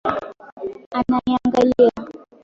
Ananiangalia